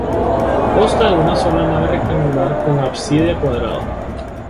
Consta de una sola nave rectangular con ábside cuadrado.